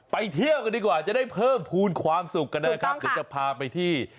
ไปเที่ยวกันดีกว่าจะได้เพิ่มพูนความสุขกันด้วยถือจะพาไปที่